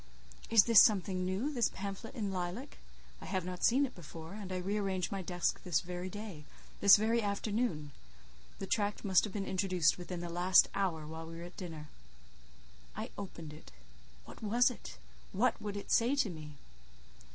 Is this something new, this pamphlet in lilac? I had not seen it before, and I re arranged my desk this very day—this very afternoon; the tract must have been introduced within the last hour, while we were at dinner. I opened it. What was it? What would it say to me?